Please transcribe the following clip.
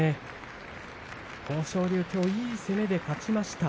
豊昇龍、きょうはいい攻めで勝ちました。